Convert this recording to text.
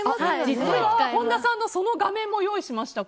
実は本田さんのその画面も用意しました。